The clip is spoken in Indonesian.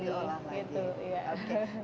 diolah lagi oke